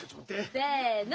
せの！